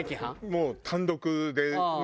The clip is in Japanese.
もう単独でね。